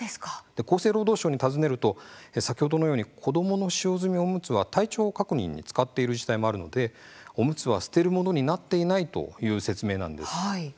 厚生労働省に尋ねると先ほどのように子どもの使用済みおむつは体調確認に使っている自治体もあるのでおむつは捨てるものになっていないという説明なんです。